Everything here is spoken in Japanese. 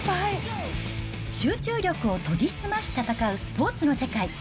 集中力を研ぎ澄まし戦うスポーツの世界。